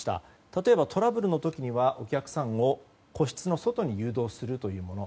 例えば、トラブルの時にはお客さんを個室の外に誘導するというもの。